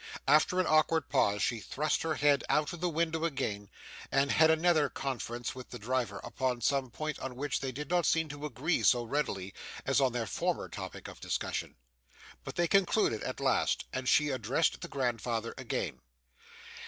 After an awkward pause, she thrust her head out of the window again, and had another conference with the driver upon some point on which they did not seem to agree quite so readily as on their former topic of discussion; but they concluded at last, and she addressed the grandfather again.